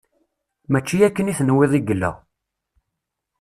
Mačči akken i tenwiḍ i yella.